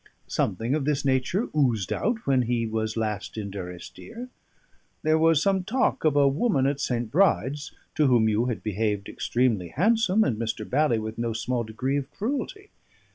Something of this nature oozed out when he was last in Durrisdeer. There was some talk of a woman at St. Bride's, to whom you had behaved extremely handsome, and Mr. Bally with no small degree of cruelty.